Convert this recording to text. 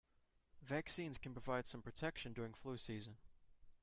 Vaccines can provide some protection during flu season.